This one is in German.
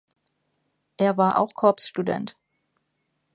Er war auch Corpsstudent.